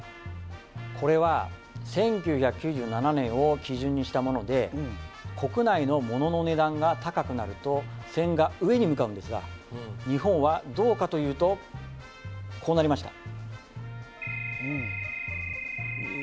これは１９９７年を基準にしたもので国内のモノの値段が高くなると線が上に向かうんですが日本はどうかというとこうなりました